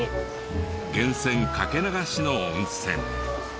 源泉かけ流しの温泉。